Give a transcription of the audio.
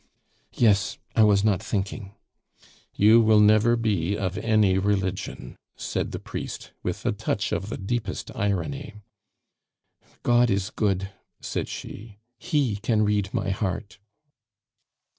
"Yes, I was not thinking " "You will never be of any religion," said the priest, with a touch of the deepest irony. "God is good," said she; "He can read my heart."